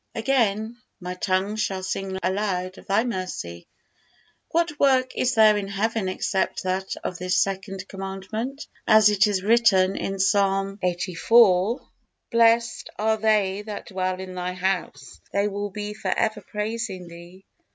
Again: "My tongue shall sing aloud of Thy mercy." What work is there in heaven except that of this Second Commandment? As it is written in Psalm lxxxiv: "Blessed are they that dwell in Thy house: they will be for ever praising Thee."